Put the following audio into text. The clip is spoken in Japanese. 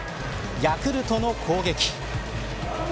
ヤクルトの攻撃。